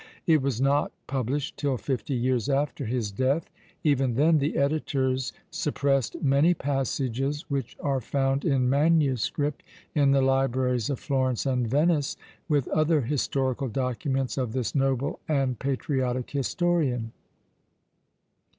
It was not published till fifty years after his death; even then the editors suppressed many passages which are found in manuscript in the libraries of Florence and Venice, with other historical documents of this noble and patriotic historian.